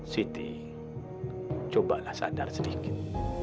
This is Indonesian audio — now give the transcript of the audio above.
siti cobalah sadar sedikit